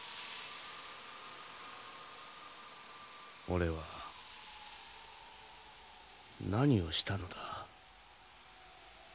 俺は何をしたのだ。